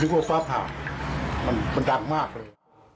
คิดว่าฟ้าผ่ามันดังมากเลย